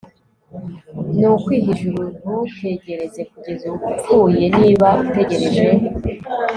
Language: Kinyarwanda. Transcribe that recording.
nukwiha ijuru ntutegereze kugeza upfuye niba utegereje